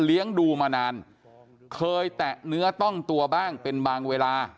ดูมานานเคยแตะเนื้อต้องตัวบ้างเป็นบางเวลา